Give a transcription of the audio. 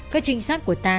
các trinh sát của ta